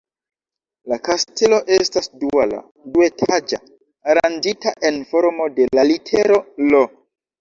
La kastelo estas duala, duetaĝa, aranĝita en formo de la litero "L".